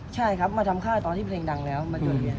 ใช่ครับมาทำค่าตอนที่เพลงดังแล้วมาจดเวียนค่ายครับ